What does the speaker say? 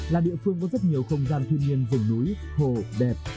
là địa phương có rất nhiều không gian thiên nhiên vùng núi hồ đẹp